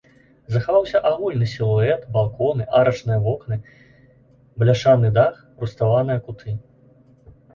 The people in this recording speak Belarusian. Захаваўся агульны сілуэт, балконы, арачныя вокны, бляшаны дах, руставаныя куты.